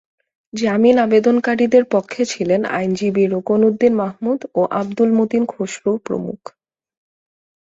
জামিন আবেদনকারীদের পক্ষে ছিলেন আইনজীবী রোকনউদ্দিন মাহমুদ ও আবদুল মতিন খসরু প্রমুখ।